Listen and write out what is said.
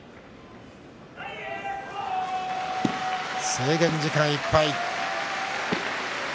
制限時間いっぱい。